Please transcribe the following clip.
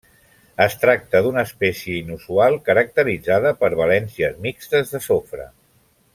Es tracta d'una espècie inusual caracteritzada per valències mixtes de sofre.